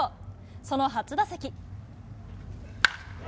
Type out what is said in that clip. その初打席。